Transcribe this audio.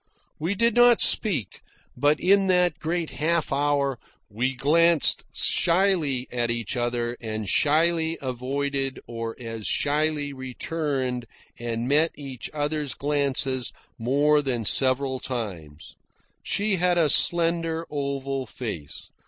We did not speak, but in that great half hour we glanced shyly at each other, and shyly avoided or as shyly returned and met each other's glances more than several times. She had a slender oval face.